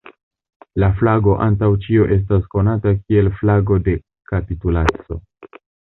La flago antaŭ ĉio estas konata kiel flago de kapitulaco.